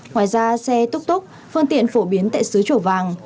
ngoài ra xe túc túc phương tiện phổ biến tại xứ chủ vàng